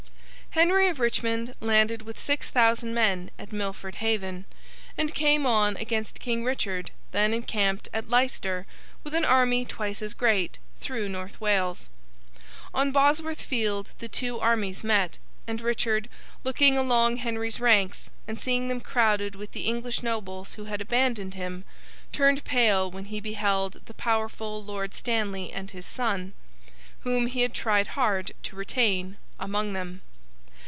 Henry of Richmond landed with six thousand men at Milford Haven, and came on against King Richard, then encamped at Leicester with an army twice as great, through North Wales. On Bosworth Field the two armies met; and Richard, looking along Henry's ranks, and seeing them crowded with the English nobles who had abandoned him, turned pale when he beheld the powerful Lord Stanley and his son (whom he had tried hard to retain) among them.